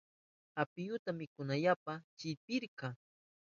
Apiyuta mikunanpa chillpirka.